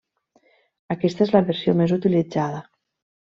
Aquesta és la versió més utilitzada.